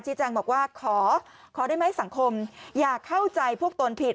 แจ้งบอกว่าขอขอได้ไหมสังคมอย่าเข้าใจพวกตนผิด